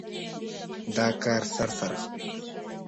دا کار سر سره خوري.